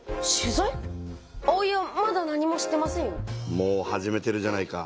もう始めてるじゃないか。